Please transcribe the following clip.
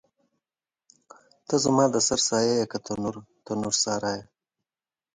ته زما د سر سایه یې که تنور، تنور سارا یې